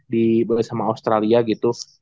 di bersama australia gitu